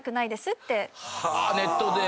ネットで？